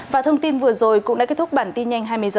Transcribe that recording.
và thông tin vừa rồi cũng đã kết thúc bản tin nhanh hai mươi h